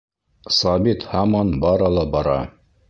Сабит һаман бара ла бара.